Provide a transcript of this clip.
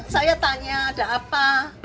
saya tanya ada apa